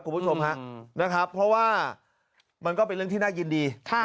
คุณผู้ชมฮะนะครับเพราะว่ามันก็เป็นเรื่องที่น่ายินดี